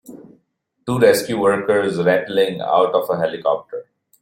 Two rescue workers rappelling out of a helicopter.